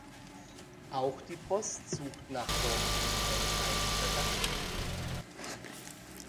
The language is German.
Auch die Post sucht nach Bomben, wenn es einen Verdacht gibt.